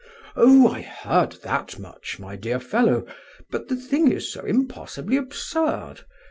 "Oh, I heard that much, my dear fellow! But the thing is so impossibly absurd!